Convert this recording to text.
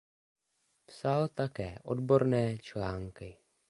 Psal také odborné články.